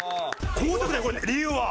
高得点これ理由は？